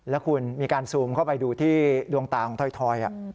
แล้วคุณมีการซูมเข้าไปดูที่ดวงตาของถอย